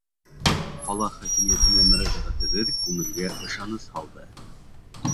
Ҡала хакимиәтенә мөрәжәғәтебеҙ күңелгә ышаныс һалды.